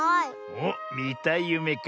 おっみたいゆめか。